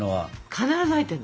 必ず入ってんの？